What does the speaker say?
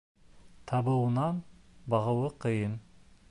Табыуынан бағыуы ҡыйын.